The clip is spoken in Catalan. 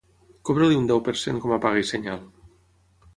Cobra-li un deu per cent com a paga i senyal.